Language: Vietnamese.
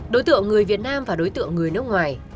đối tượng người việt nam và đối tượng người nước ngoài